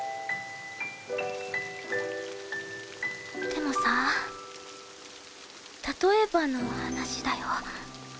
でもさ例えばの話だよ？